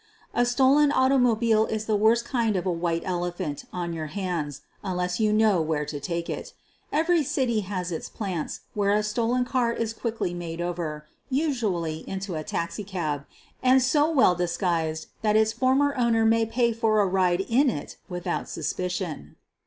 A stolen automobile is the worst kind of a "white elephant* ' on your hands unless you know where to take it. Every city has its plants where a stolen car is quickly made over, usually into a taxicab, and so well disguised that its former owner may pay for a ride in it without suspicion.